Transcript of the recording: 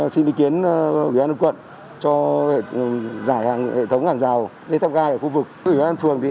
xin ý kiến ủy ban nước quận cho giải hệ thống hàng rào dây tăm gai ở khu vực ủy ban phường